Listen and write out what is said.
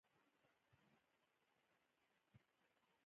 د تربوز لپاره کومه ځمکه ښه ده؟